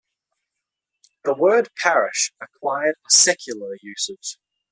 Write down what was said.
The word "parish" acquired a secular usage.